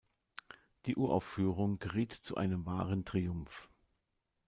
Die Uraufführung geriet zu einem wahren Triumph.